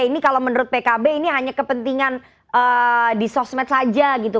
ini kalau menurut pkb ini hanya kepentingan di sosmed saja gitu